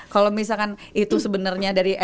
kalau misalkan itu sebenarnya dari